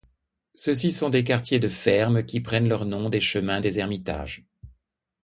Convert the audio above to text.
Ceux-ci sont des quartiers de fermes qui prennent leur nom des chemins des ermitages.